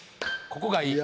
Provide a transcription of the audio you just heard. ここがいい。